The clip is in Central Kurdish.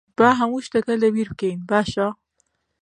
با هەموو شتەکە لەبیر بکەین، باشە؟